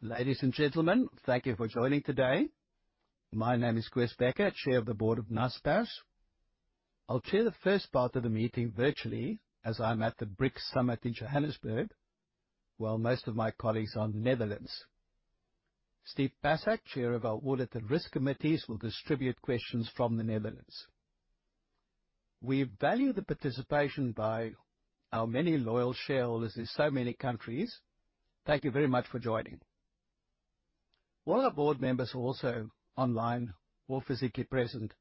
Ladies and gentlemen, thank you for joining today. My name is Koos Bekker, Chair of the Board of Naspers. I'll chair the first part of the meeting virtually, as I'm at the BRICS Summit in Johannesburg, while most of my colleagues are in the Netherlands. Steve Pacak, Chair of our Audit and Risk Committees, will distribute questions from the Netherlands. We value the participation by our many loyal shareholders in so many countries. Thank you very much for joining. All our board members are also online or physically present.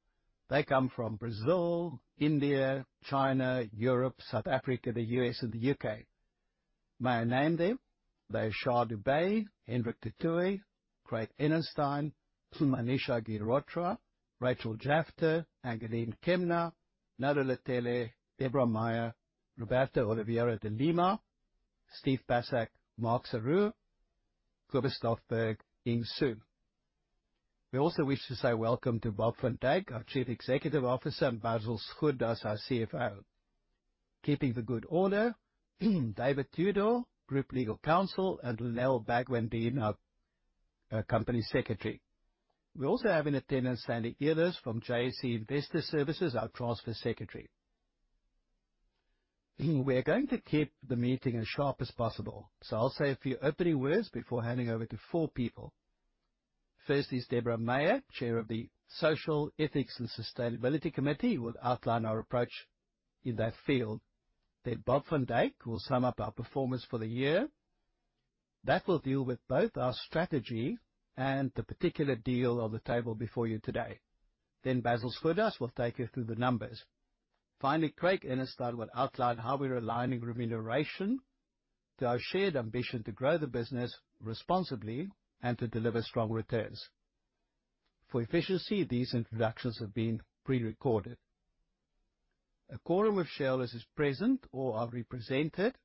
They come from Brazil, India, China, Europe, South Africa, the US, and the UK. May I name them? They are Shar Dubey, Hendrik du Toit, Craig Enenstein, Manisha Girotra, Rachel Jafta, Angelien Kemna, Nolo Letele, Debra Meyer, Roberto Oliveira de Lima, Steve Pacak, Mark Sorour, Cobus Stofberg, Ying Xu. We also wish to say welcome to Bob van Dijk, our Chief Executive Officer, and Basil Sgourdos, our CFO. Keeping the good order, David Tudor, Group Legal Counsel, and Lynelle Bagwandeen, our Company Secretary. We also have in attendance Sandy Ellis from JSE Investor Services, our Transfer Secretary. We're going to keep the meeting as sharp as possible, so I'll say a few opening words before handing over to four people. Firstly is Debra Meyer, Chair of the Social, Ethics, and Sustainability Committee, will outline our approach in that field. Then Bob van Dijk will sum up our performance for the year. That will deal with both our strategy and the particular deal on the table before you today. Then Basil Sgourdos will take you through the numbers. Finally, Craig Enenstein will outline how we're aligning remuneration to our shared ambition to grow the business responsibly and to deliver strong returns. For efficiency, these introductions have been pre-recorded. A quorum of shareholders is present or are represented.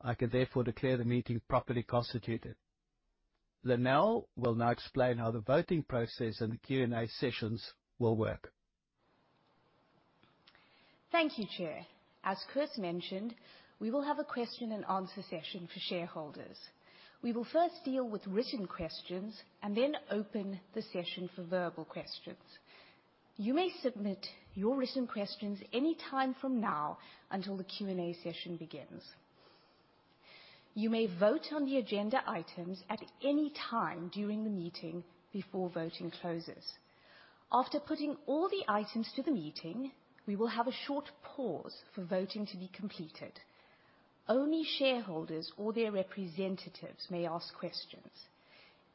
I can therefore declare the meeting properly constituted. Lynelle will now explain how the voting process and the Q&A sessions will work. Thank you, Chair. As Koos mentioned, we will have a question and answer session for shareholders. We will first deal with written questions and then open the session for verbal questions. You may submit your written questions any time from now until the Q&A session begins. You may vote on the agenda items at any time during the meeting before voting closes. After putting all the items to the meeting, we will have a short pause for voting to be completed. Only shareholders or their representatives may ask questions.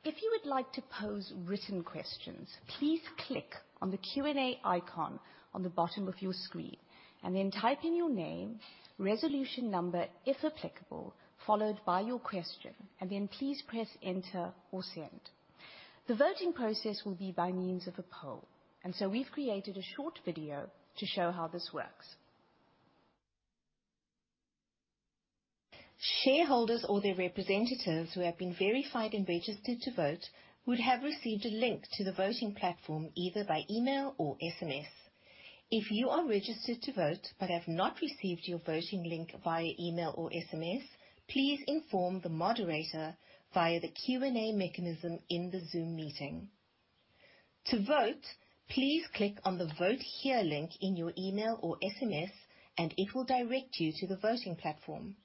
If you would like to pose written questions, please click on the Q&A icon on the bottom of your screen, and then type in your name, resolution number, if applicable, followed by your question, and then please press Enter or Send. The voting process will be by means of a poll, and so we've created a short video to show how this works. Shareholders or their representatives who have been verified and registered to vote would have received a link to the voting platform, either by email or SMS. If you are registered to vote but have not received your voting link via email or SMS, please inform the moderator via the Q&A mechanism in the Zoom meeting. To vote, please click on the Vote Here link in your email or SMS, and it will direct you to the voting platform.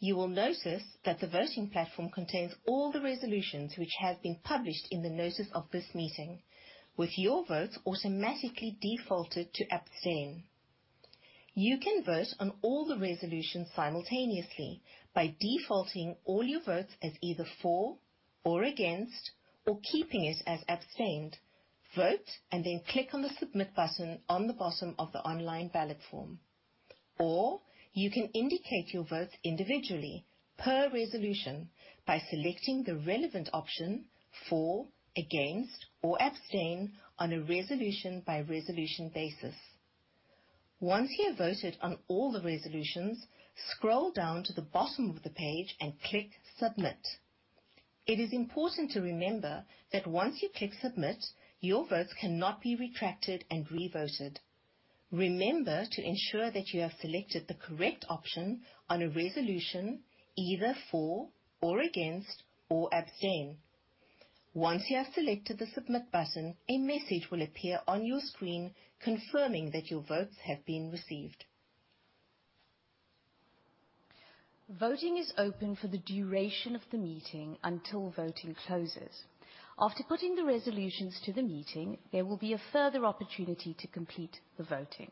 You will notice that the voting platform contains all the resolutions which have been published in the notice of this meeting, with your votes automatically defaulted to Abstain. You can vote on all the resolutions simultaneously by defaulting all your votes as either For or Against or keeping it as Abstain. Vote, and then click on the Submit button on the bottom of the online ballot form. Or you can indicate your votes individually per resolution by selecting the relevant option, For, Against, or Abstain, on a resolution-by-resolution basis. Once you have voted on all the resolutions, scroll down to the bottom of the page and click Submit. It is important to remember that once you click Submit, your votes cannot be retracted and re-voted. Remember to ensure that you have selected the correct option on a resolution, either For or Against or Abstain. Once you have selected the Submit button, a message will appear on your screen confirming that your votes have been received. Voting is open for the duration of the meeting until voting closes. After putting the resolutions to the meeting, there will be a further opportunity to complete the voting.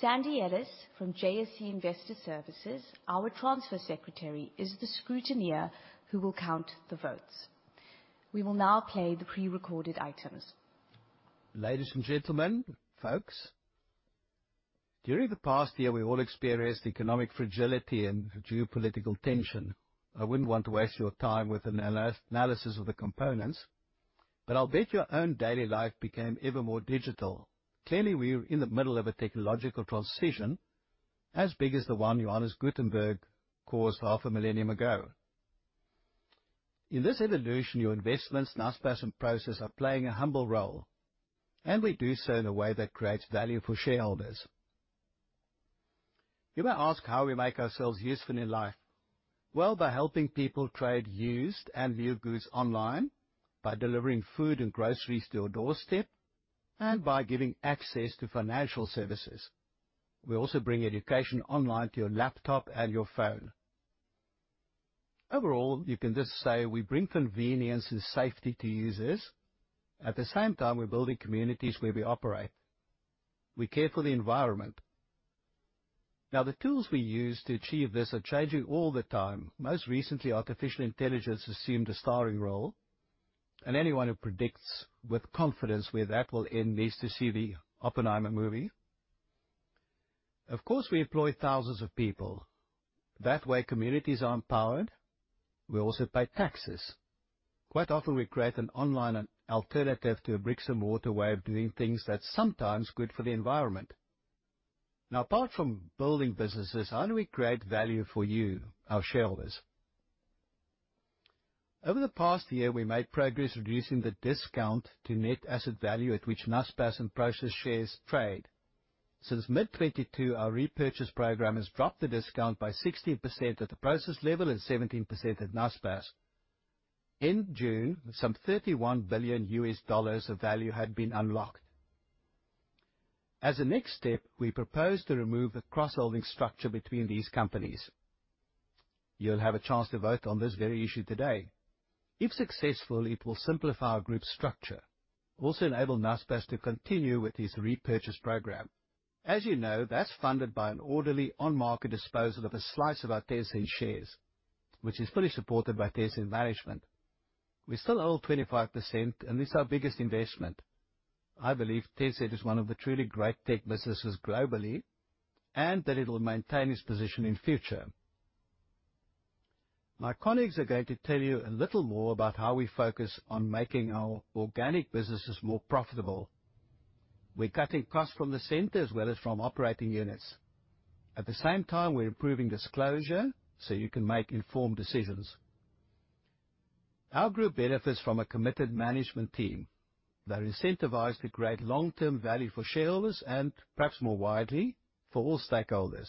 Sandy Ellis from JSE Investor Services, our Transfer Secretary, is the scrutineer who will count the votes. We will now play the pre-recorded items. Ladies and gentlemen, folks, during the past year, we all experienced economic fragility and geopolitical tension. I wouldn't want to waste your time with an analysis of the components, but I'll bet your own daily life became ever more digital. Clearly, we're in the middle of a technological transition as big as the one Johannes Gutenberg caused half a millennium ago. In this evolution, your investments, Naspers, and Prosus are playing a humble role, and we do so in a way that creates value for shareholders.... You may ask how we make ourselves useful in your life? Well, by helping people trade used and new goods online, by delivering food and groceries to your doorstep, and by giving access to financial services. We also bring education online to your laptop and your phone. Overall, you can just say we bring convenience and safety to users. At the same time, we're building communities where we operate. We care for the environment. Now, the tools we use to achieve this are changing all the time. Most recently, artificial intelligence assumed a starring role, and anyone who predicts with confidence where that will end needs to see the Oppenheimer movie. Of course, we employ thousands of people. That way, communities are empowered. We also pay taxes. Quite often, we create an online alternative to a bricks and mortar way of doing things that's sometimes good for the environment. Now, apart from building businesses, how do we create value for you, our shareholders? Over the past year, we made progress reducing the discount to net asset value at which Naspers and Prosus shares trade. Since mid-2022, our repurchase program has dropped the discount by 16% at the Prosus level and 17% at Naspers. In June, some $31 billion of value had been unlocked. As a next step, we propose to remove the cross-holding structure between these companies. You'll have a chance to vote on this very issue today. If successful, it will simplify our group structure, also enable Naspers to continue with its repurchase program. As you know, that's funded by an orderly on-market disposal of a slice of our Tencent shares, which is fully supported by Tencent management. We still hold 25%, and it's our biggest investment. I believe Tencent is one of the truly great tech businesses globally, and that it'll maintain its position in future. My colleagues are going to tell you a little more about how we focus on making our organic businesses more profitable. We're cutting costs from the center as well as from operating units. At the same time, we're improving disclosure, so you can make informed decisions. Our group benefits from a committed management team that are incentivized to create long-term value for shareholders and, perhaps more widely, for all stakeholders.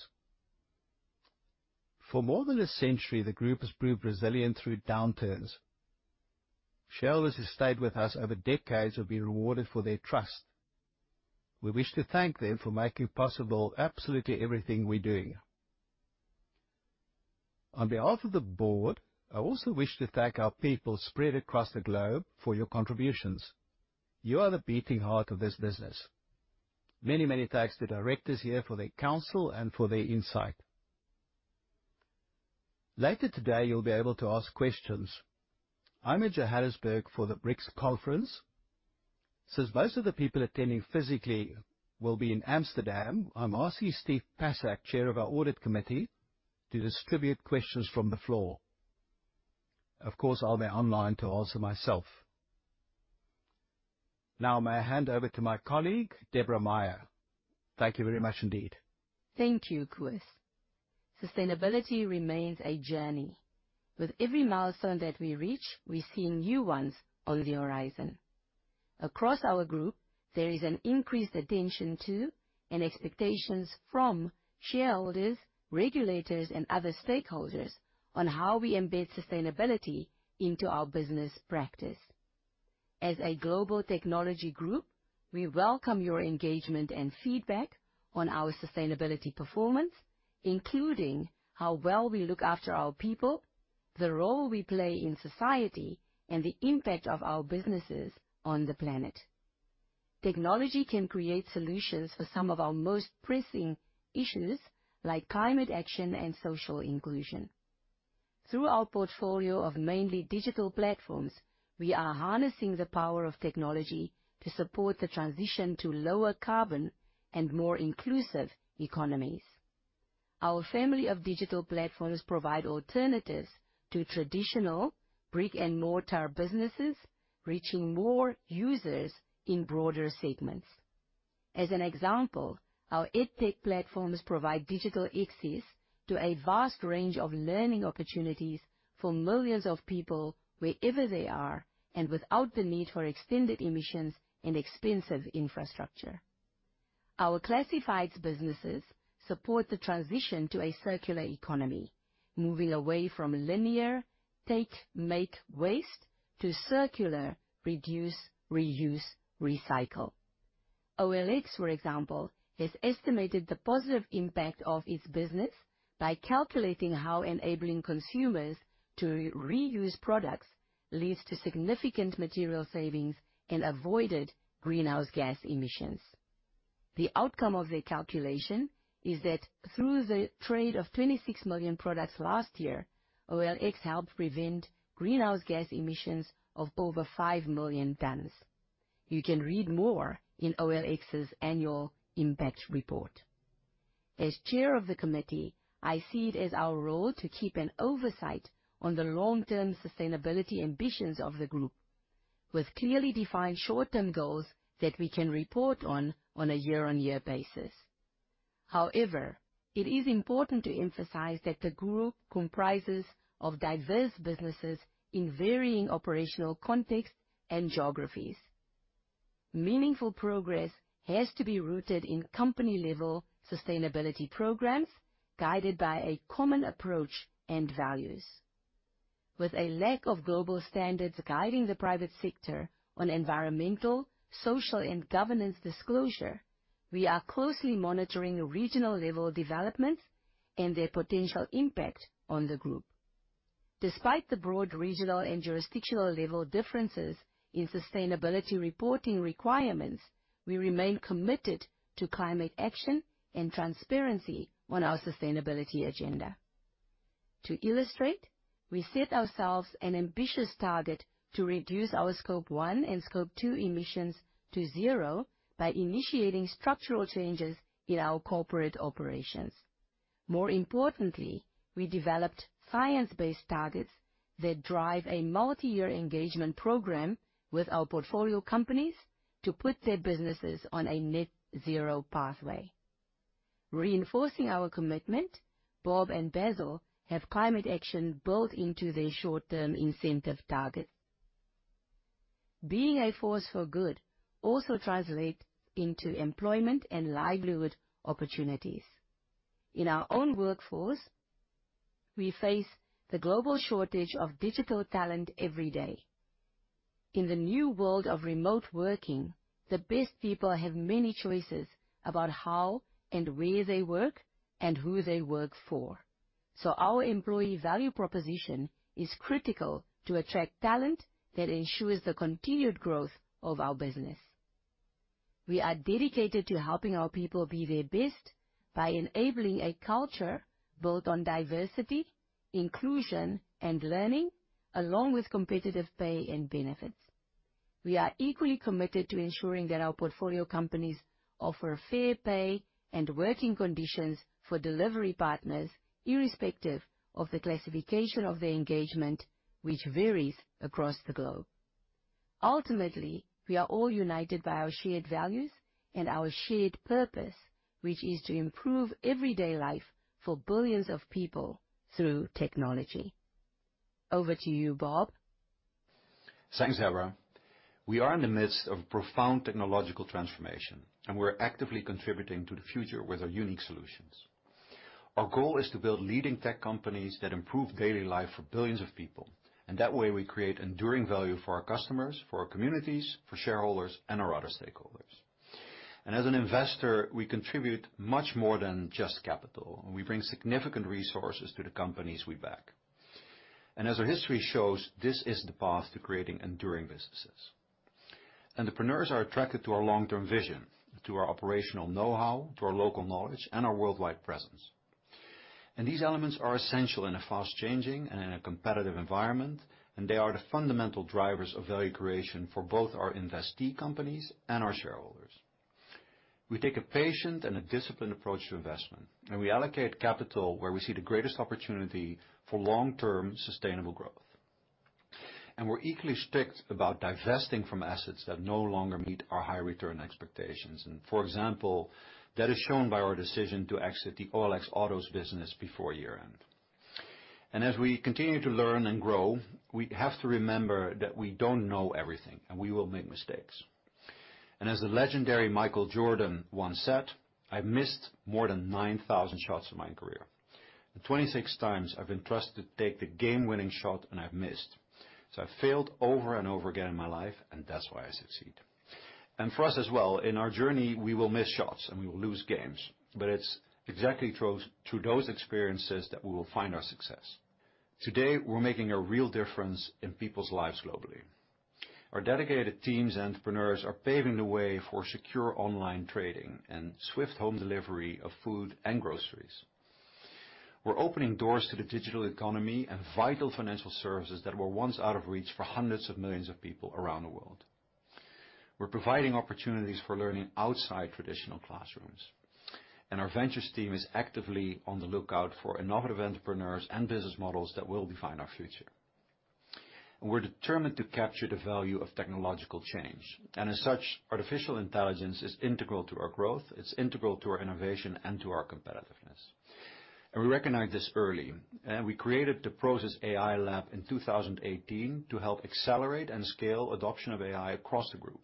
For more than a century, the group has proved resilient through downturns. Shareholders who stayed with us over decades have been rewarded for their trust. We wish to thank them for making possible absolutely everything we're doing. On behalf of the board, I also wish to thank our people spread across the globe for your contributions. You are the beating heart of this business. Many, many thanks to the directors here for their counsel and for their insight. Later today, you'll be able to ask questions. I'm in Johannesburg for the BRICS conference. Since most of the people attending physically will be in Amsterdam, I'm asking Steve Pacak, Chair of our audit committee, to distribute questions from the floor. Of course, I'll be online to answer myself. Now, may I hand over to my colleague, Debra Meyer. Thank you very much indeed. Thank you, Koos. Sustainability remains a journey. With every milestone that we reach, we see new ones on the horizon. Across our group, there is an increased attention to, and expectations from shareholders, regulators, and other stakeholders on how we embed sustainability into our business practice. As a global technology group, we welcome your engagement and feedback on our sustainability performance, including how well we look after our people, the role we play in society, and the impact of our businesses on the planet. Technology can create solutions for some of our most pressing issues, like climate action and social inclusion. Through our portfolio of mainly digital platforms, we are harnessing the power of technology to support the transition to lower carbon and more inclusive economies. Our family of digital platforms provide alternatives to traditional brick-and-mortar businesses, reaching more users in broader segments. As an example, our EdTech platforms provide digital access to a vast range of learning opportunities for millions of people wherever they are and without the need for extended emissions and expensive infrastructure. Our classifieds businesses support the transition to a circular economy, moving away from linear, take, make, waste to circular, reduce, reuse, recycle. OLX, for example, has estimated the positive impact of its business by calculating how enabling consumers to reuse products leads to significant material savings and avoided greenhouse gas emissions. The outcome of their calculation is that through the trade of 26 million products last year, OLX helped prevent greenhouse gas emissions of over 5 million tons. You can read more in OLX's annual impact report. As chair of the committee, I see it as our role to keep an oversight on the long-term sustainability ambitions of the group, with clearly defined short-term goals that we can report on, on a year-on-year basis. However, it is important to emphasize that the group comprises of diverse businesses in varying operational contexts and geographies... meaningful progress has to be rooted in company-level sustainability programs, guided by a common approach and values. With a lack of global standards guiding the private sector on environmental, social, and governance disclosure, we are closely monitoring regional-level developments and their potential impact on the group. Despite the broad regional and jurisdictional level differences in sustainability reporting requirements, we remain committed to climate action and transparency on our sustainability agenda. To illustrate, we set ourselves an ambitious target to reduce our Scope 1 and Scope 2 emissions to zero by initiating structural changes in our corporate operations. More importantly, we developed science-based targets that drive a multiyear engagement program with our portfolio companies to put their businesses on a net zero pathway. Reinforcing our commitment, Bob and Basil have climate action built into their short-term incentive targets. Being a force for good also translate into employment and livelihood opportunities. In our own workforce, we face the global shortage of digital talent every day. In the new world of remote working, the best people have many choices about how and where they work and who they work for. So our employee value proposition is critical to attract talent that ensures the continued growth of our business. We are dedicated to helping our people be their best by enabling a culture built on diversity, inclusion, and learning, along with competitive pay and benefits. We are equally committed to ensuring that our portfolio companies offer fair pay and working conditions for delivery partners, irrespective of the classification of their engagement, which varies across the globe. Ultimately, we are all united by our shared values and our shared purpose, which is to improve everyday life for billions of people through technology. Over to you, Bob. Thanks, Debra. We are in the midst of profound technological transformation, and we're actively contributing to the future with our unique solutions. Our goal is to build leading tech companies that improve daily life for billions of people, and that way, we create enduring value for our customers, for our communities, for shareholders, and our other stakeholders. As an investor, we contribute much more than just capital, and we bring significant resources to the companies we back. As our history shows, this is the path to creating enduring businesses. Entrepreneurs are attracted to our long-term vision, to our operational know-how, to our local knowledge, and our worldwide presence. These elements are essential in a fast-changing and in a competitive environment, and they are the fundamental drivers of value creation for both our investee companies and our shareholders. We take a patient and a disciplined approach to investment, and we allocate capital where we see the greatest opportunity for long-term, sustainable growth. We're equally strict about divesting from assets that no longer meet our high return expectations. For example, that is shown by our decision to exit the OLX Autos business before year-end. As we continue to learn and grow, we have to remember that we don't know everything, and we will make mistakes. As the legendary Michael Jordan once said, "I've missed more than 9,000 shots in my career. The 26 times I've been trusted to take the game-winning shot, and I've missed. So I've failed over and over again in my life, and that's why I succeed." For us as well, in our journey, we will miss shots, and we will lose games, but it's exactly through, through those experiences that we will find our success. Today, we're making a real difference in people's lives globally. Our dedicated teams and entrepreneurs are paving the way for secure online trading and swift home delivery of food and groceries. We're opening doors to the digital economy and vital financial services that were once out of reach for hundreds of millions of people around the world. We're providing opportunities for learning outside traditional classrooms, and our ventures team is actively on the lookout for innovative entrepreneurs and business models that will define our future. We're determined to capture the value of technological change, and as such, artificial intelligence is integral to our growth, it's integral to our innovation, and to our competitiveness. We recognized this early, and we created the Prosus AI Lab in 2018 to help accelerate and scale adoption of AI across the group.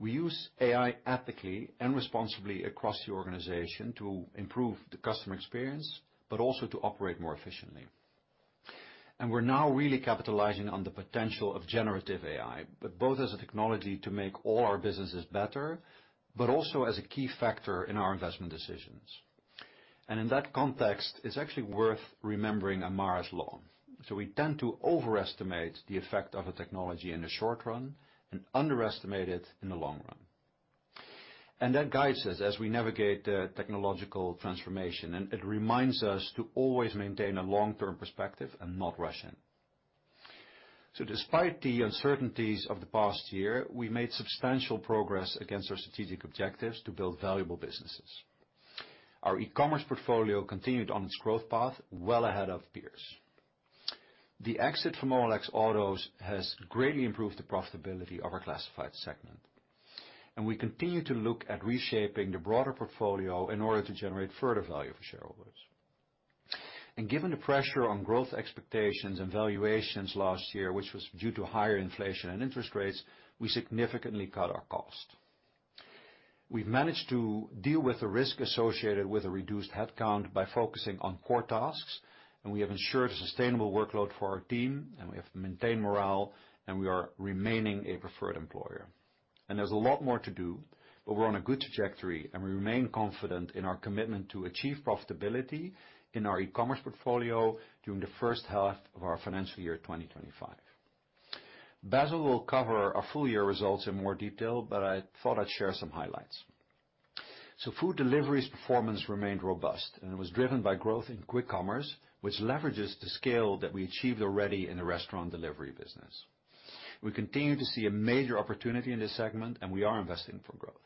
We use AI ethically and responsibly across the organization to improve the customer experience, but also to operate more efficiently. We're now really capitalizing on the potential of generative AI, but both as a technology to make all our businesses better, but also as a key factor in our investment decisions. In that context, it's actually worth remembering Amara's Law. We tend to overestimate the effect of a technology in the short run and underestimate it in the long run. That guides us as we navigate the technological transformation, and it reminds us to always maintain a long-term perspective and not rush in. So despite the uncertainties of the past year, we made substantial progress against our strategic objectives to build valuable businesses. Our e-commerce portfolio continued on its growth path, well ahead of peers. The exit from OLX Autos has greatly improved the profitability of our classified segment, and we continue to look at reshaping the broader portfolio in order to generate further value for shareholders.... Given the pressure on growth expectations and valuations last year, which was due to higher inflation and interest rates, we significantly cut our cost. We've managed to deal with the risk associated with a reduced headcount by focusing on core tasks, and we have ensured a sustainable workload for our team, and we have maintained morale, and we are remaining a preferred employer. There's a lot more to do, but we're on a good trajectory, and we remain confident in our commitment to achieve profitability in our e-commerce portfolio during the first half of our financial year 2025. Basil will cover our full year results in more detail, but I thought I'd share some highlights. Food delivery's performance remained robust, and it was driven by growth in quick commerce, which leverages the scale that we achieved already in the restaurant delivery business. We continue to see a major opportunity in this segment, and we are investing for growth.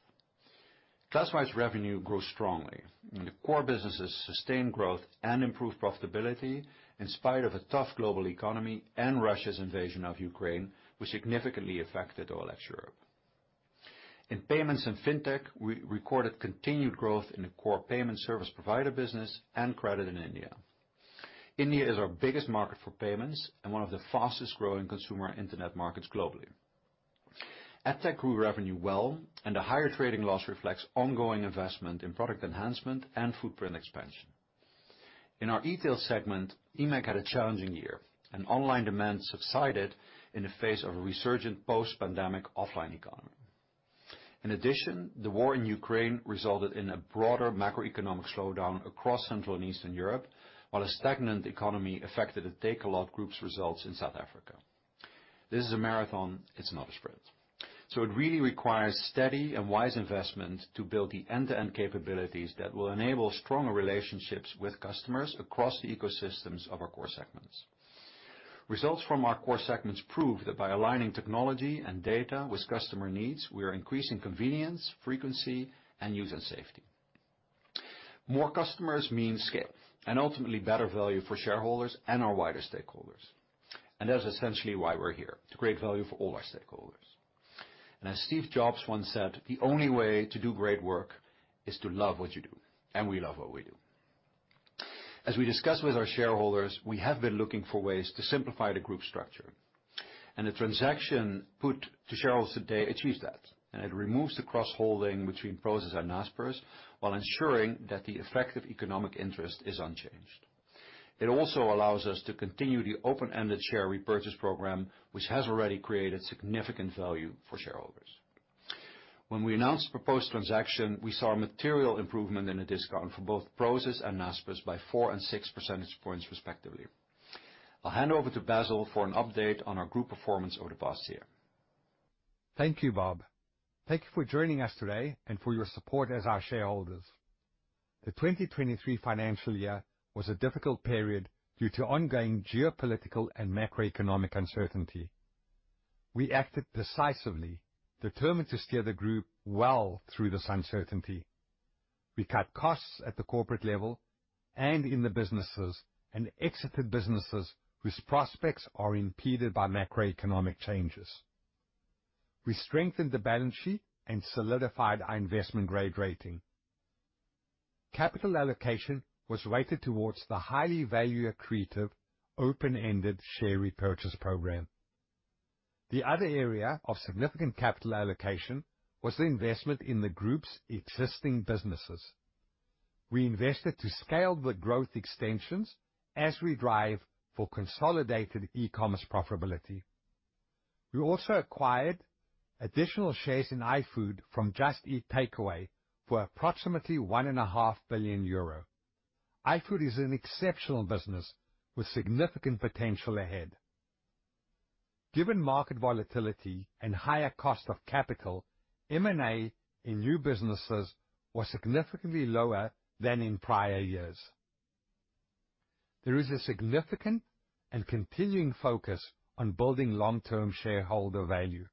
Classifieds revenue grew strongly, and the core businesses sustained growth and improved profitability in spite of a tough global economy and Russia's invasion of Ukraine, which significantly affected OLX Europe. In payments and fintech, we recorded continued growth in the core payment service provider business and credit in India. India is our biggest market for payments and one of the fastest-growing consumer internet markets globally. AdTech grew revenue well, and a higher trading loss reflects ongoing investment in product enhancement and footprint expansion. In our e-tail segment, eMAG had a challenging year, and online demand subsided in the face of a resurgent post-pandemic offline economy. In addition, the war in Ukraine resulted in a broader macroeconomic slowdown across Central and Eastern Europe, while a stagnant economy affected the Takealot Group's results in South Africa. This is a marathon, it's not a sprint. So it really requires steady and wise investment to build the end-to-end capabilities that will enable stronger relationships with customers across the ecosystems of our core segments. Results from our core segments prove that by aligning technology and data with customer needs, we are increasing convenience, frequency, and user safety. More customers mean scale and ultimately better value for shareholders and our wider stakeholders, and that's essentially why we're here, to create value for all our stakeholders. As Steve Jobs once said, "The only way to do great work is to love what you do," and we love what we do. As we discussed with our shareholders, we have been looking for ways to simplify the group structure, and the transaction put to shareholders today achieves that, and it removes the cross-holding between Prosus and Naspers, while ensuring that the effective economic interest is unchanged. It also allows us to continue the open-ended share repurchase program, which has already created significant value for shareholders. When we announced the proposed transaction, we saw a material improvement in the discount for both Prosus and Naspers by 4 and 6 percentage points, respectively. I'll hand over to Basil for an update on our group performance over the past year. Thank you, Bob. Thank you for joining us today and for your support as our shareholders. The 2023 financial year was a difficult period due to ongoing geopolitical and macroeconomic uncertainty. We acted decisively, determined to steer the group well through this uncertainty. We cut costs at the corporate level and in the businesses, and exited businesses whose prospects are impeded by macroeconomic changes. We strengthened the balance sheet and solidified our investment-grade rating. Capital allocation was weighted towards the highly value accretive, open-ended share repurchase program. The other area of significant capital allocation was the investment in the group's existing businesses. We invested to scale the growth extensions as we drive for consolidated e-commerce profitability. We also acquired additional shares in iFood from Just Eat Takeaway for approximately 1.5 billion euro. iFood is an exceptional business with significant potential ahead. Given market volatility and higher cost of capital, M&A in new businesses was significantly lower than in prior years. There is a significant and continuing focus on building long-term shareholder value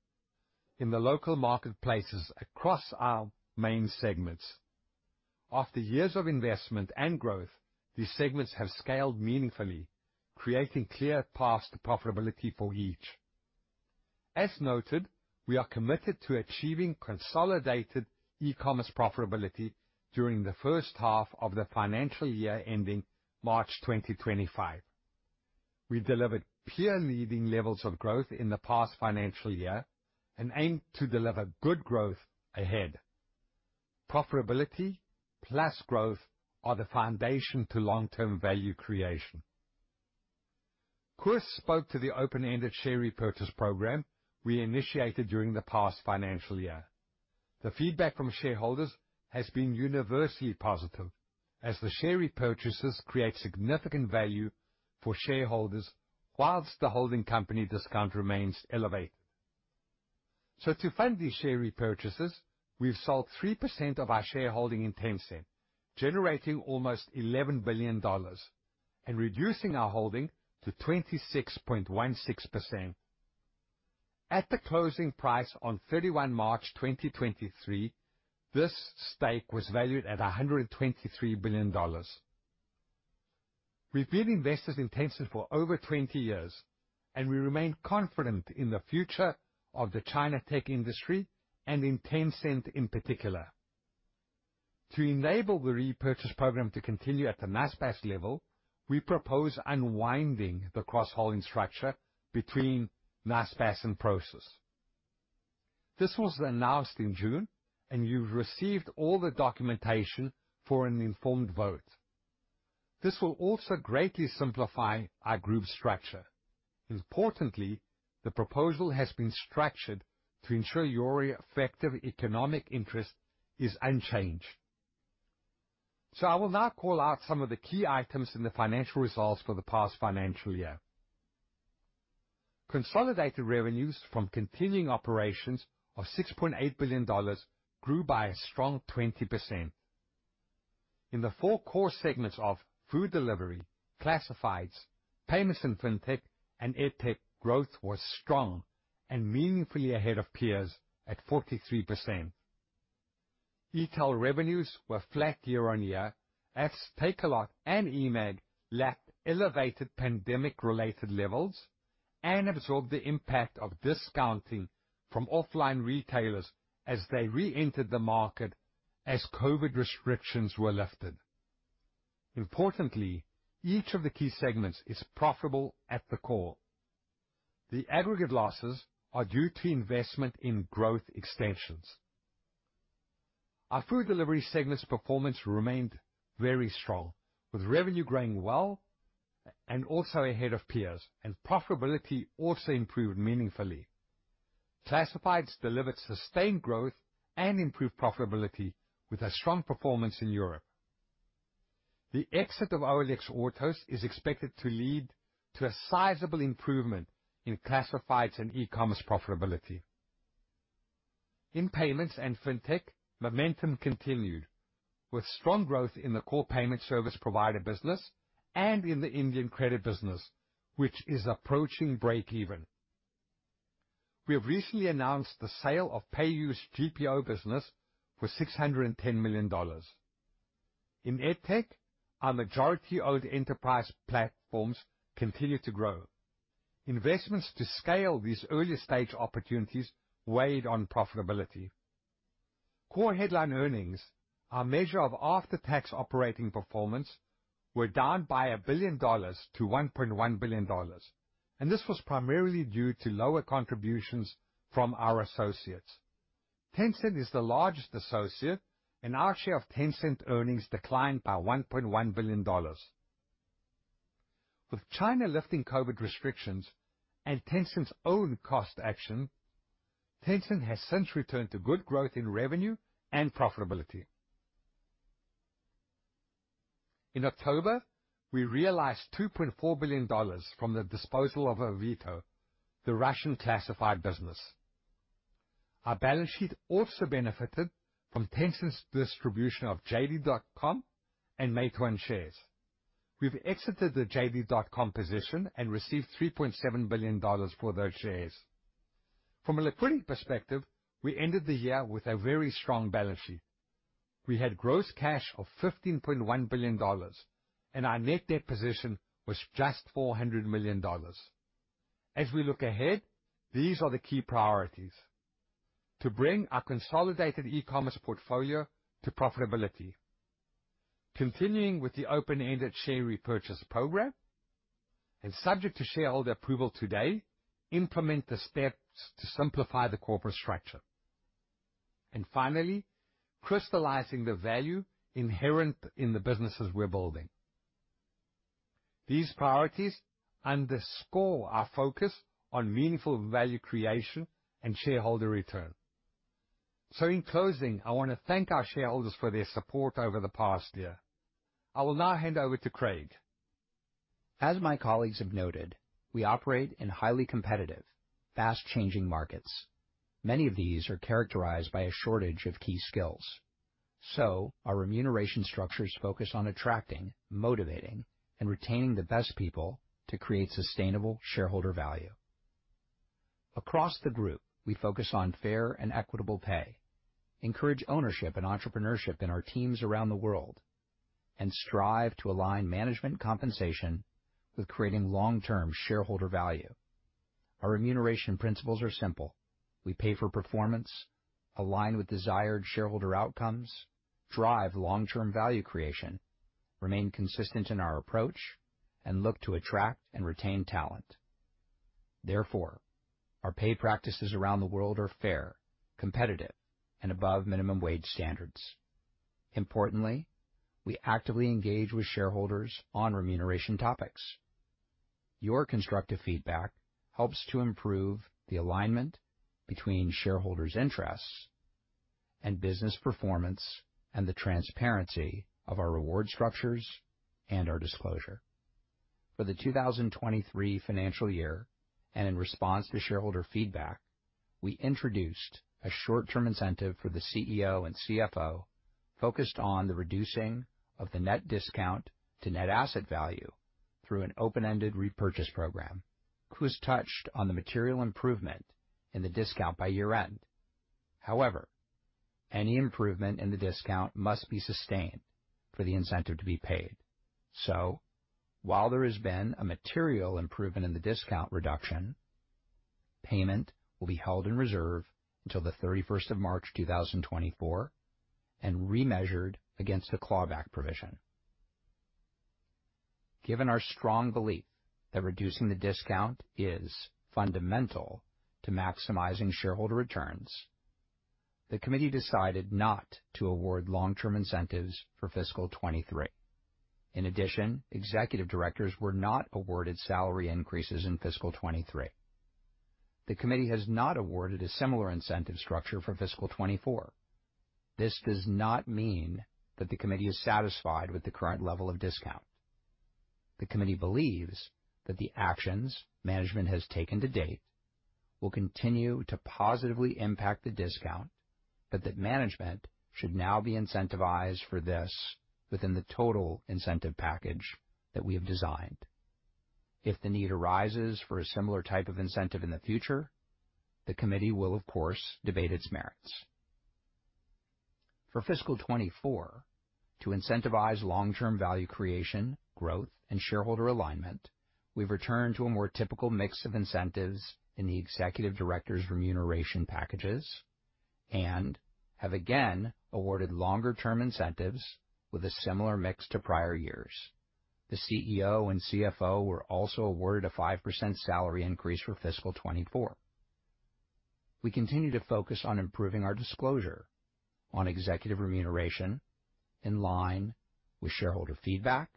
in the local marketplaces across our main segments. After years of investment and growth, these segments have scaled meaningfully, creating clear paths to profitability for each. As noted, we are committed to achieving consolidated e-commerce profitability during the first half of the financial year ending March 2025. We delivered peer-leading levels of growth in the past financial year and aim to deliver good growth ahead. Profitability plus growth are the foundation to long-term value creation. Koos spoke to the open-ended share repurchase program we initiated during the past financial year. The feedback from shareholders has been universally positive, as the share repurchases create significant value for shareholders, while the holding company discount remains elevated. So to fund these share repurchases, we've sold 3% of our shareholding in Tencent, generating almost $11 billion and reducing our holding to 26.16%. At the closing price on March 31, 2023, this stake was valued at $123 billion. We've been investors in Tencent for over 20 years, and we remain confident in the future of the China tech industry and in Tencent in particular. To enable the repurchase program to continue at the Naspers level, we propose unwinding the cross-holding structure between Naspers and Prosus. This was announced in June, and you've received all the documentation for an informed vote. This will also greatly simplify our group structure. Importantly, the proposal has been structured to ensure your effective economic interest is unchanged. So I will now call out some of the key items in the financial results for the past financial year. Consolidated revenues from continuing operations of $6.8 billion grew by a strong 20%. In the four core segments of food delivery, classifieds, payments and fintech, and EdTech, growth was strong and meaningfully ahead of peers at 43%. E-tail revenues were flat year-on-year as Takealot and eMAG lapped elevated pandemic-related levels and absorbed the impact of discounting from offline retailers as they reentered the market as COVID restrictions were lifted. Importantly, each of the key segments is profitable at the core. The aggregate losses are due to investment in growth extensions. Our food delivery segment's performance remained very strong, with revenue growing well and also ahead of peers, and profitability also improved meaningfully. Classifieds delivered sustained growth and improved profitability with a strong performance in Europe. The exit of OLX Autos is expected to lead to a sizable improvement in classifieds and e-commerce profitability. In payments and fintech, momentum continued, with strong growth in the core payment service provider business and in the Indian credit business, which is approaching breakeven. We have recently announced the sale of PayU's GPO business for $610 million. In EdTech, our majority-owned enterprise platforms continue to grow. Investments to scale these early-stage opportunities weighed on profitability. Core headline earnings, our measure of after-tax operating performance, were down by $1 billion to $1.1 billion, and this was primarily due to lower contributions from our associates. Tencent is the largest associate, and our share of Tencent earnings declined by $1.1 billion. With China lifting COVID restrictions and Tencent's own cost action, Tencent has since returned to good growth in revenue and profitability. In October, we realized $2.4 billion from the disposal of Avito, the Russian classified business. Our balance sheet also benefited from Tencent's distribution of JD.com and Meituan shares. We've exited the JD.com position and received $3.7 billion for those shares. From a liquidity perspective, we ended the year with a very strong balance sheet. We had gross cash of $15.1 billion, and our net debt position was just $400 million. As we look ahead, these are the key priorities: To bring our consolidated e-commerce portfolio to profitability, continuing with the open-ended share repurchase program, and subject to shareholder approval today, implement the steps to simplify the corporate structure. And finally, crystallizing the value inherent in the businesses we're building. These priorities underscore our focus on meaningful value creation and shareholder return. In closing, I want to thank our shareholders for their support over the past year. I will now hand over to Craig. As my colleagues have noted, we operate in highly competitive, fast-changing markets. Many of these are characterized by a shortage of key skills, so our remuneration structures focus on attracting, motivating, and retaining the best people to create sustainable shareholder value. Across the group, we focus on fair and equitable pay, encourage ownership and entrepreneurship in our teams around the world, and strive to align management compensation with creating long-term shareholder value. Our remuneration principles are simple: We pay for performance, align with desired shareholder outcomes, drive long-term value creation, remain consistent in our approach, and look to attract and retain talent. Therefore, our pay practices around the world are fair, competitive, and above minimum wage standards. Importantly, we actively engage with shareholders on remuneration topics. Your constructive feedback helps to improve the alignment between shareholders' interests and business performance, and the transparency of our reward structures and our disclosure. For the 2023 financial year, and in response to shareholder feedback, we introduced a short-term incentive for the CEO and CFO, focused on the reducing of the net discount to net asset value through an open-ended repurchase program. Koos touched on the material improvement in the discount by year-end. However, any improvement in the discount must be sustained for the incentive to be paid. So while there has been a material improvement in the discount reduction, payment will be held in reserve until the 31st of March, 2024, and remeasured against the clawback provision. Given our strong belief that reducing the discount is fundamental to maximizing shareholder returns, the committee decided not to award long-term incentives for fiscal 2023. In addition, executive directors were not awarded salary increases in fiscal 2023. The committee has not awarded a similar incentive structure for fiscal 2024. This does not mean that the committee is satisfied with the current level of discount. The committee believes that the actions management has taken to date will continue to positively impact the discount, but that management should now be incentivized for this within the total incentive package that we have designed. If the need arises for a similar type of incentive in the future, the committee will, of course, debate its merits. For fiscal 2024, to incentivize long-term value creation, growth, and shareholder alignment, we've returned to a more typical mix of incentives in the executive directors' remuneration packages and have again awarded longer term incentives with a similar mix to prior years. The CEO and CFO were also awarded a 5% salary increase for fiscal 2024. We continue to focus on improving our disclosure on executive remuneration in line with shareholder feedback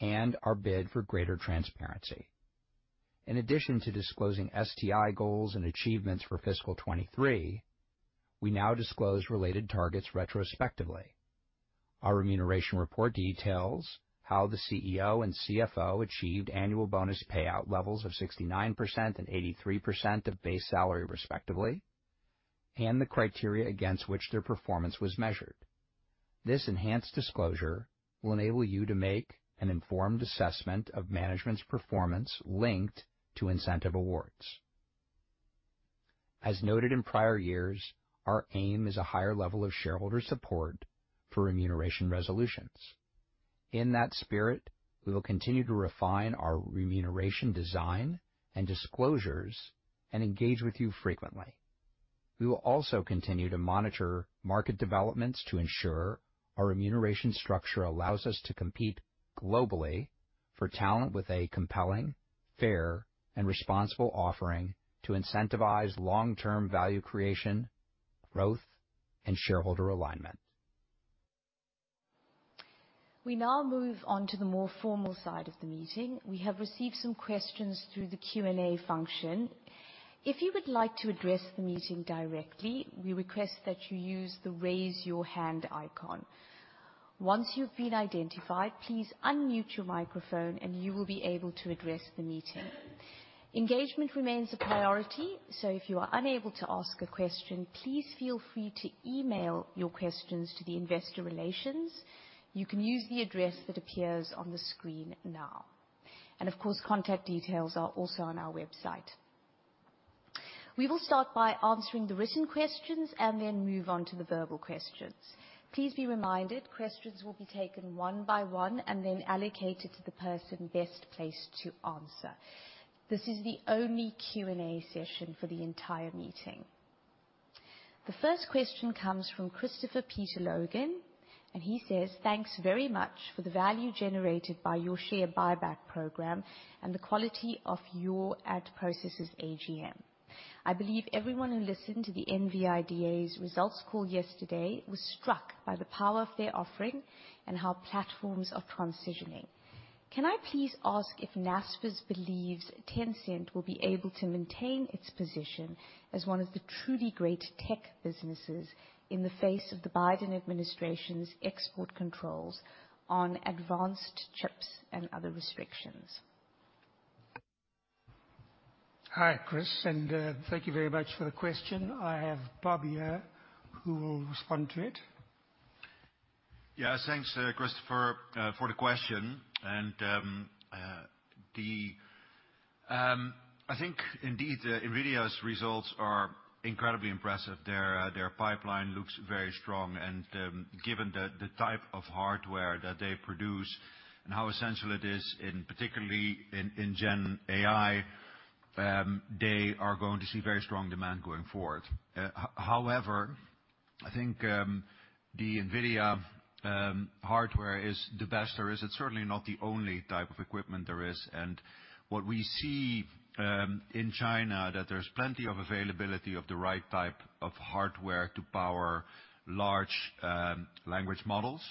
and our bid for greater transparency. In addition to disclosing STI goals and achievements for fiscal 2023, we now disclose related targets retrospectively. Our remuneration report details how the CEO and CFO achieved annual bonus payout levels of 69% and 83% of base salary, respectively, and the criteria against which their performance was measured. This enhanced disclosure will enable you to make an informed assessment of management's performance linked to incentive awards. As noted in prior years, our aim is a higher level of shareholder support for remuneration resolutions. In that spirit, we will continue to refine our remuneration design and disclosures and engage with you frequently. We will also continue to monitor market developments to ensure our remuneration structure allows us to compete globally for talent with a compelling, fair, and responsible offering to incentivize long-term value creation, growth, and shareholder alignment. We now move on to the more formal side of the meeting. We have received some questions through the Q&A function. If you would like to address the meeting directly, we request that you use the Raise Your Hand icon. Once you've been identified, please unmute your microphone, and you will be able to address the meeting. Engagement remains a priority, so if you are unable to ask a question, please feel free to email your questions to the investor relations. You can use the address that appears on the screen now. And of course, contact details are also on our website. We will start by answering the written questions and then move on to the verbal questions. Please be reminded, questions will be taken one by one and then allocated to the person best placed to answer. This is the only Q&A session for the entire meeting. The first question comes from Christopher Peter Logan, and he says: "Thanks very much for the value generated by your share buyback program and the quality of your audit processes AGM. I believe everyone who listened to the NVIDIA's results call yesterday was struck by the power of their offering and how platforms are transitioning. Can I please ask if Naspers believes Tencent will be able to maintain its position as one of the truly great tech businesses in the face of the Biden administration's export controls on advanced chips and other restrictions? Hi, Koos, and thank you very much for the question. I have Bob here, who will respond to it. Yeah. Thanks, Koostopher, for the question. And, I think indeed, NVIDIA's results are incredibly impressive. Their pipeline looks very strong, and given the type of hardware that they produce and how essential it is, particularly in Gen AI, they are going to see very strong demand going forward. However, I think the NVIDIA hardware is the best there is. It's certainly not the only type of equipment there is, and what we see in China, that there's plenty of availability of the right type of hardware to power large language models,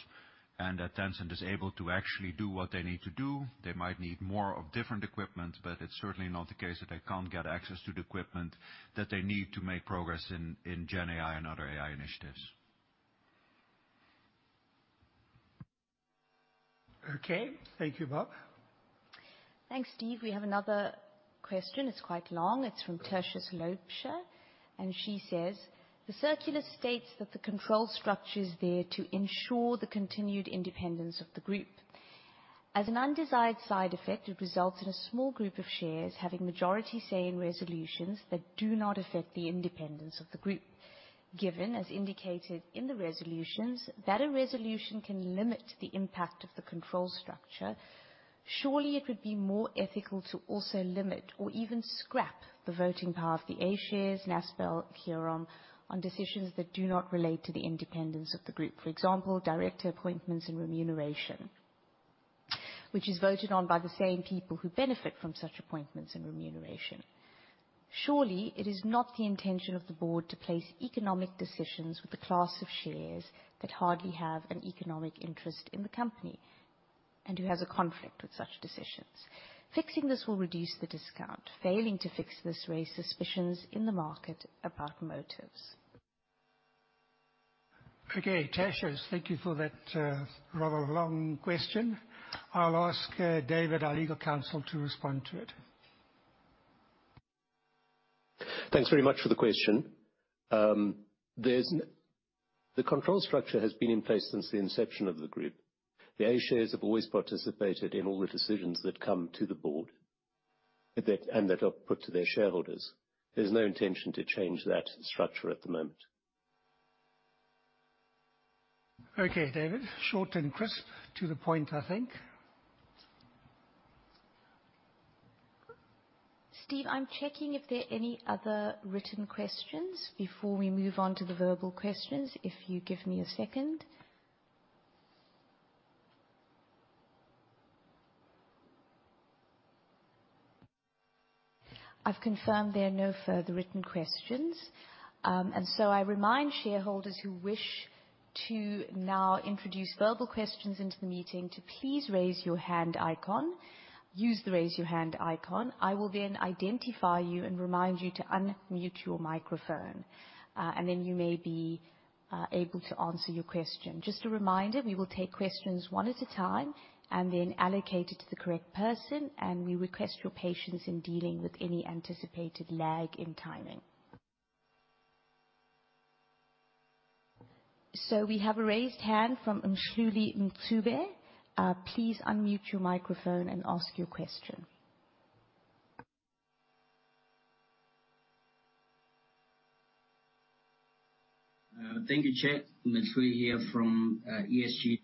and that Tencent is able to actually do what they need to do. They might need more of different equipment, but it's certainly not the case that they can't get access to the equipment that they need to make progress in Gen AI and other AI initiatives. Okay. Thank you, Bob. Thanks, Steve. We have another question. It's quite long. It's from Tertia Loots, and she says: "The circular states that the control structure is there to ensure the continued independence of the group. As an undesired side effect, it results in a small group of shares having majority say in resolutions that do not affect the independence of the group... given as indicated in the resolutions, that a resolution can limit the impact of the control structure. Surely it would be more ethical to also limit or even scrap the voting power of the A shares, Naspers, here on, on decisions that do not relate to the independence of the group. For example, director appointments and remuneration, which is voted on by the same people who benefit from such appointments and remuneration. Surely, it is not the intention of the board to place economic decisions with a class of shares that hardly have an economic interest in the company, and who has a conflict with such decisions. Fixing this will reduce the discount. Failing to fix this raise suspicions in the market about motives. Okay, Tertius, thank you for that, rather long question. I'll ask, David, our legal counsel, to respond to it. Thanks very much for the question. There's the control structure has been in place since the inception of the group. The A shares have always participated in all the decisions that come to the board, that, and that are put to their shareholders. There's no intention to change that structure at the moment. Okay, David. Short and crisp, to the point, I think. Steve, I'm checking if there are any other written questions before we move on to the verbal questions. If you give me a second. I've confirmed there are no further written questions. And so I remind shareholders who wish to now introduce verbal questions into the meeting to please raise your hand icon. Use the Raise Your Hand icon. I will then identify you and remind you to unmute your microphone, and then you may be able to answer your question. Just a reminder, we will take questions one at a time and then allocate it to the correct person, and we request your patience in dealing with any anticipated lag in timing. So we have a raised hand from Mzwanele Mtshweni. Please unmute your microphone and ask your question. Thank you, Chair. Mtshweni here from ESG,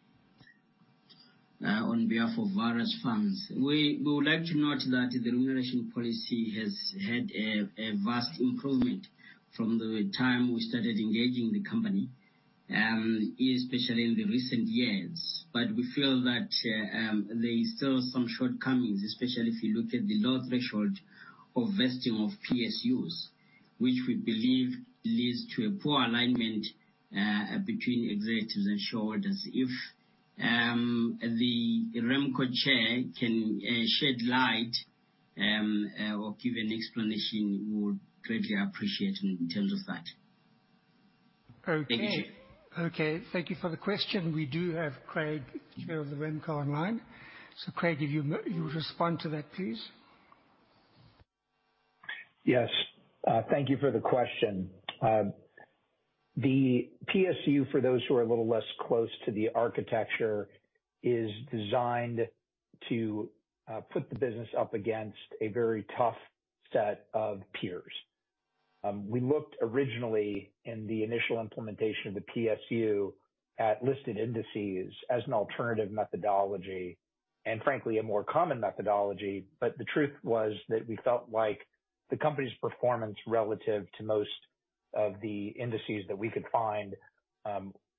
on behalf of various firms. We would like to note that the remuneration policy has had a vast improvement from the time we started engaging the company, especially in the recent years. But we feel that there is still some shortcomings, especially if you look at the low threshold of vesting of PSUs, which we believe leads to a poor alignment between executives and shareholders. If the RemCo chair can shed light or give an explanation, we would greatly appreciate in terms of that. Okay. Thank you. Okay, thank you for the question. We do have Craig, Chair of the RemCo, online. So, Craig, if you, you respond to that, please. Yes, thank you for the question. The PSU, for those who are a little less close to the architecture, is designed to put the business up against a very tough set of peers. We looked originally in the initial implementation of the PSU at listed indices as an alternative methodology and frankly, a more common methodology. But the truth was that we felt like the company's performance, relative to most of the indices that we could find,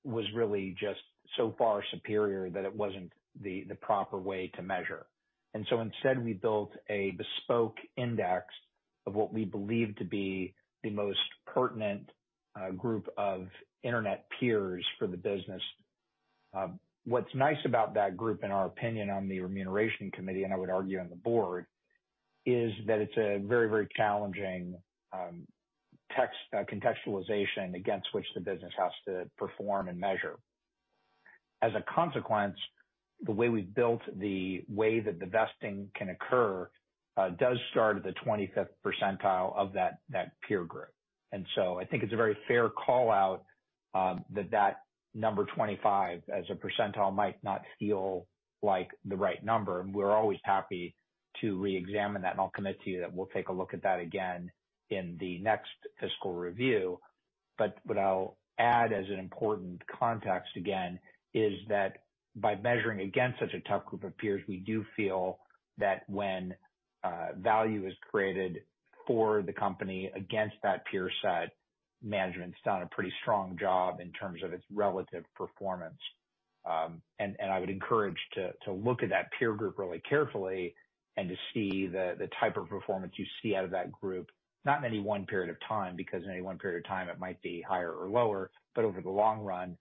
was really just so far superior that it wasn't the, the proper way to measure. And so instead, we built a bespoke index of what we believe to be the most pertinent group of internet peers for the business. What's nice about that group, in our opinion, on the Remuneration Committee, and I would argue on the board, is that it's a very, very challenging text contextualization against which the business has to perform and measure. As a consequence, the way we've built the way that the vesting can occur does start at the 25th percentile of that, that peer group. And so I think it's a very fair call-out that that number 25, as a percentile, might not feel like the right number, and we're always happy to reexamine that. And I'll commit to you that we'll take a look at that again in the next fiscal review. But what I'll add as an important context again, is that by measuring against such a tough group of peers, we do feel that when value is created for the company against that peer set, management's done a pretty strong job in terms of its relative performance. And I would encourage to look at that peer group really carefully and to see the type of performance you see out of that group. Not in any one period of time, because in any one period of time, it might be higher or lower, but over the long run,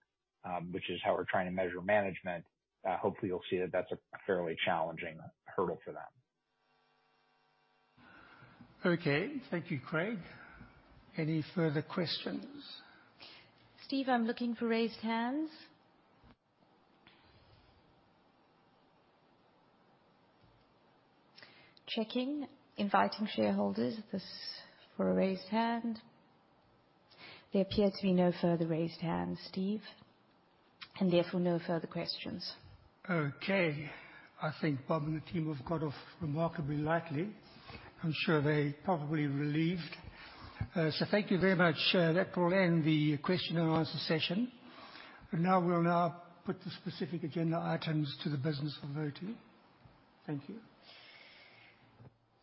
which is how we're trying to measure management, hopefully you'll see that that's a fairly challenging hurdle for them. Okay. Thank you, Craig. Any further questions? Steve, I'm looking for raised hands. Checking, inviting shareholders this, for a raised hand. There appear to be no further raised hands, Steve.... and therefore, no further questions. Okay. I think Bob and the team have got off remarkably lightly. I'm sure they're probably relieved. So thank you very much, that will end the question and answer session. But now we'll now put the specific agenda items to the business for voting. Thank you.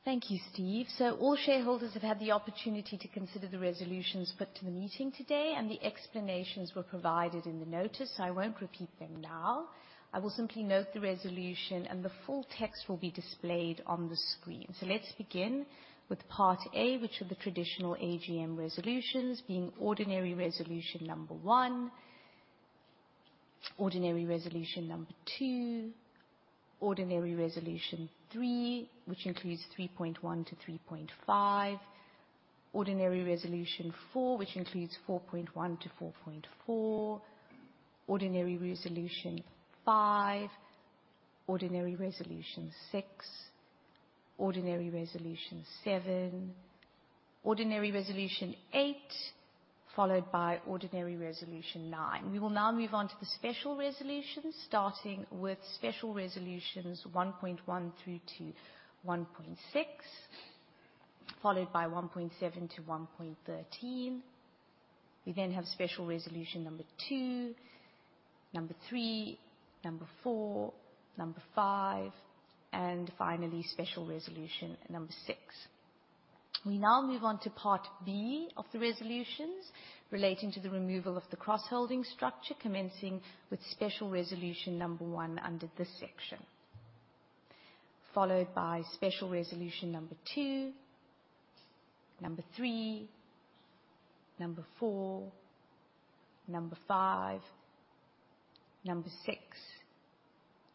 Thank you, Steve. So all shareholders have had the opportunity to consider the resolutions put to the meeting today, and the explanations were provided in the notice, so I won't repeat them now. I will simply note the resolution, and the full text will be displayed on the screen. So let's begin with Part A, which are the traditional AGM resolutions, being Ordinary Resolution Number 1, Ordinary Resolution Number 2, Ordinary Resolution 3, which includes 3.1 to 3.5, Ordinary Resolution 4, which includes 4.1 to 4.4, Ordinary Resolution 5, Ordinary Resolution 6, Ordinary Resolution 7, Ordinary Resolution 8, followed by Ordinary Resolution 9. We will now move on to the special resolutions, starting with Special Resolutions 1.1 through to 1.6, followed by 1.7 to 1.13. We then have Special Resolution number 2, number 3, number 4, number 5, and finally, Special Resolution number 6. We now move on to Part B of the resolutions relating to the removal of the cross-holding structure, commencing with Special Resolution Number 1 under this section, followed by Special Resolution Number 2, number 3, number 4, number 5, number 6,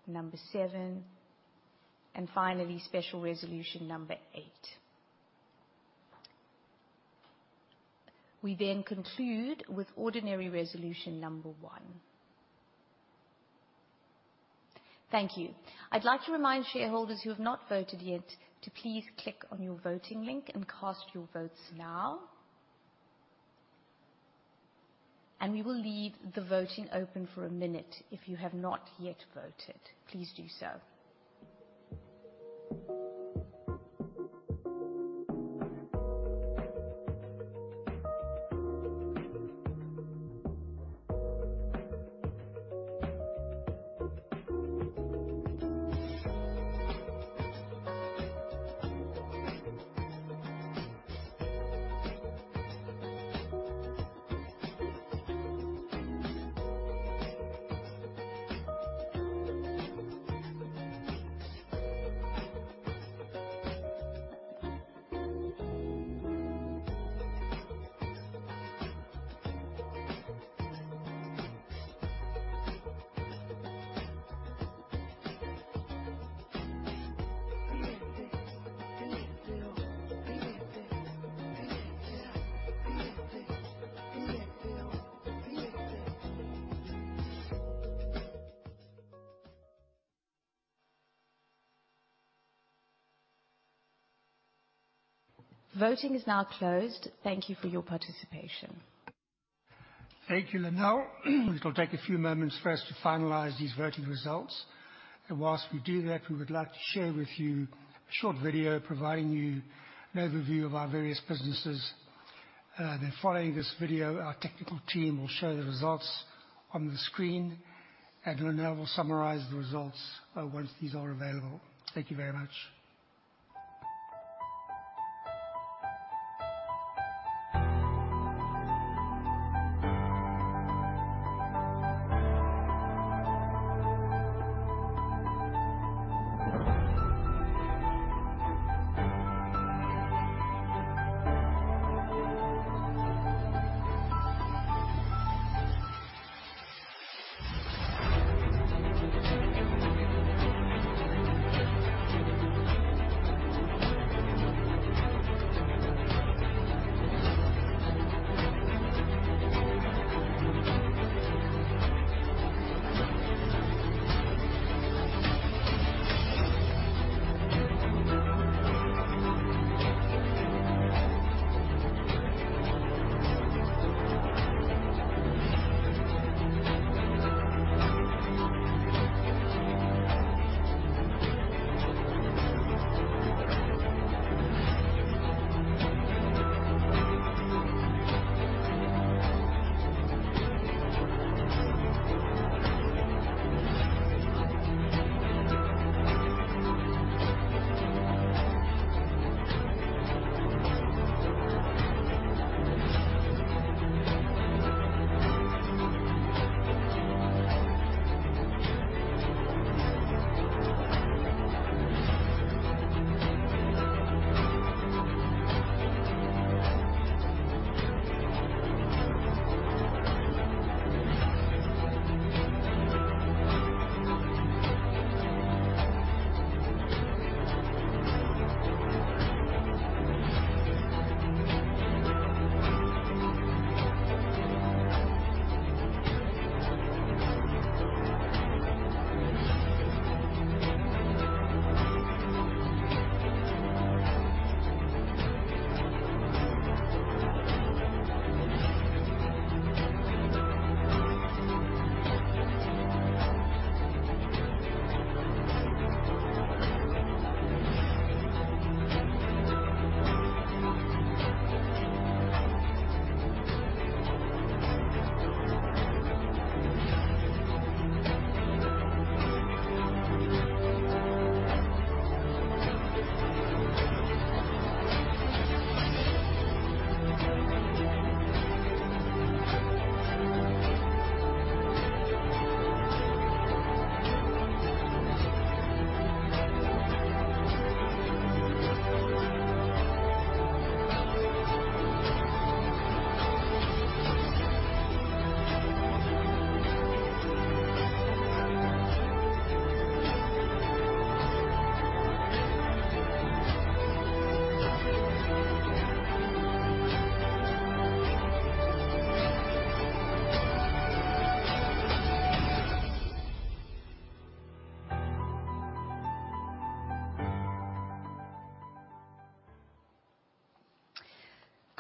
number 7, and finally, Special Resolution Number 8. We then conclude with Ordinary Resolution Number 1. Thank you. I'd like to remind shareholders who have not voted yet to please click on your voting link and cast your votes now. We will leave the voting open for a minute. If you have not yet voted, please do so. Voting is now closed. Thank you for your participation. Thank you, Lynelle. It'll take a few moments for us to finalize these voting results. While we do that, we would like to share with you a short video providing you an overview of our various businesses. Then following this video, our technical team will show the results on the screen, and Lynelle will summarize the results, once these are available. Thank you very much.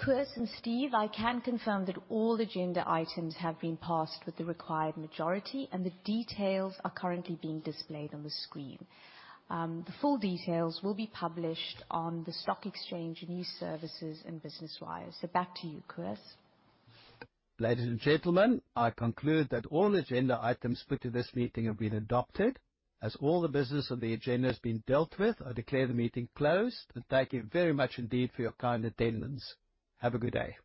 Koos and Steve, I can confirm that all agenda items have been passed with the required majority, and the details are currently being displayed on the screen. The full details will be published on the Stock Exchange News Service, and Business Wire. Back to you, Koos. Ladies and gentlemen, I conclude that all agenda items put to this meeting have been adopted. As all the business on the agenda has been dealt with, I declare the meeting closed, and thank you very much indeed for your kind attendance. Have a good day.